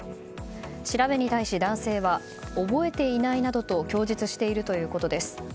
調べに対し、男性は覚えていないなどと供述しているということです。